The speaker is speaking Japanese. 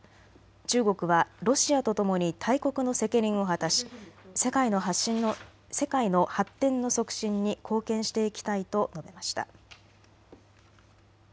中国はロシアとともに大国の責任を果たし世界の発展の促進に貢献していきたいと述べました。